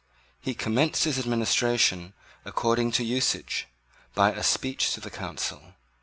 He commenced his administration, according to usage, by a speech to the Council.